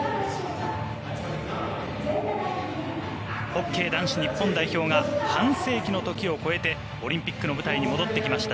ホッケー男子日本代表が半世紀の時を越えてオリンピックの舞台に戻ってきました。